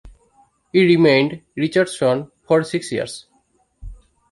He remained with Richardson for six years.